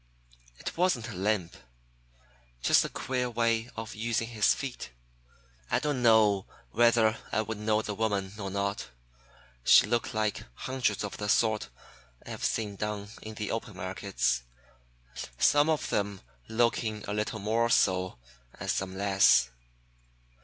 It wasn't a limp; just a queer way of using his feet. I don't know whether I would know the woman or not. She looked like hundreds of the sort I have seen down in the open markets, some of them looking a little more so and some less."